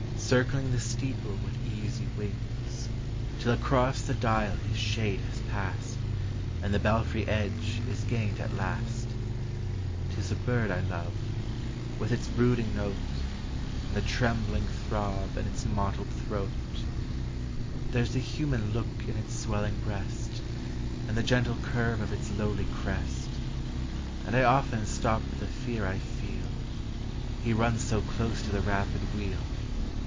Circling the steeple with easy wings. Till across the dial his shade has passed. And the belfry edge is gained at last ; 'T is a bird I love, with its brooding note. And the trembling throb in its mottled throat; 326 POEMS OF NATURE. There ? s a human look in its swelling breast, And the gentle curve of its lowly crest; And I often stop with the fear I feel, — He runs so close to the rapid wheel.